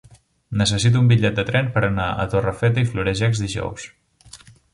Necessito un bitllet de tren per anar a Torrefeta i Florejacs dijous.